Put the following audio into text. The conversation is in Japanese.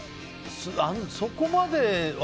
そこまで。